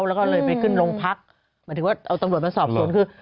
แล้วก็เลยไปขึ้นโรงพักหมายถึงว่าเอาตำรวจมาสอบสวนคือ